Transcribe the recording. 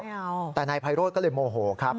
แต่นายไพโรธก็เลยโมโหครับ